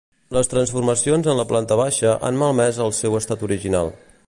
Les transformacions en la planta baixa han malmès el seu estat original.